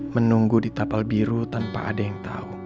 menunggu di tapal biru tanpa ada yang tahu